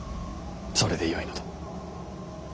それでよいのだ。